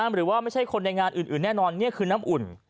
ไม่ใช่คนในงานอื่นแน่นอนนี่คือน้ำอุ่น